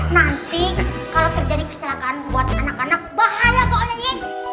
nanti kalo terjadi kesalahan buat anak anak bahaya soalnya ya